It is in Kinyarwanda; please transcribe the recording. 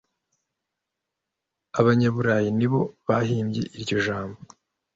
abanyaburayi ni bo bahimbye iryo jambo.